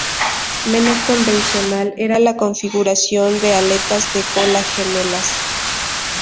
Menos convencional era la configuración de aletas de cola gemelas.